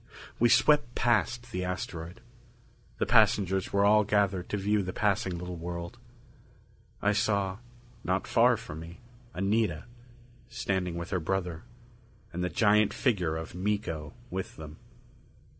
We swept past the asteroid. The passengers were all gathered to view the passing little world. I saw, not far from me, Anita, standing with her brother; and the giant figure of Miko with them.